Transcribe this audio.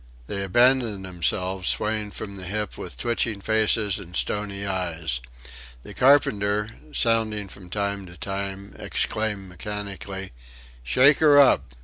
They abandoned themselves, swaying from the hip with twitching faces and stony eyes. The carpenter, sounding from time to time, exclaimed mechanically: "Shake her up!